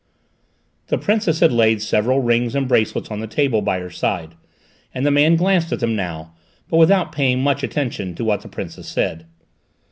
The Princess had laid several rings and bracelets on the table by her side, and the man glanced at them now, but without paying much attention to what the Princess said.